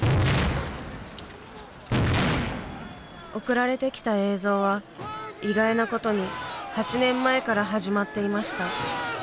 送られてきた映像は意外なことに８年前から始まっていました。